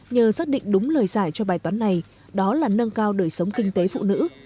nhờ xác định đúng lời giải cho bài toán này đó là nâng cao đời sống kinh tế phụ nữ